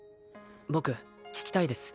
僕聞きたいです